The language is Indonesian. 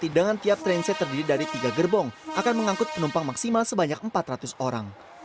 dengan tiap transit terdiri dari tiga gerbong akan mengangkut penumpang maksimal sebanyak empat ratus orang